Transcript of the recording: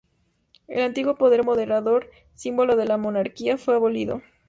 El antiguo Poder Moderador, símbolo de la monarquía, fue abolido.